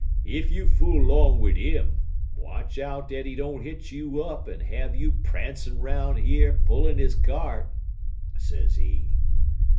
'If you fool 'long wid 'im, watch out dat he don't hitch you up en have you prancin' 'roun' yer pullin' he kyart,' sezee.